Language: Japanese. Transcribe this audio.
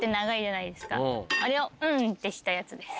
あれをん！ってしたやつです。